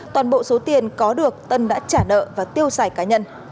toàn bộ số tiền có được tân đã trả nợ và tiêu xài cá nhân